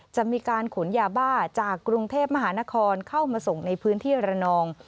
จะมีการขนยาบ้าจากกรุงเทพมหานครเข้ามาส่งในพื้นที่ระนอง